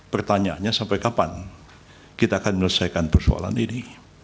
pertanyaannya sampai kapan kita akan menyelesaikan persoalan ini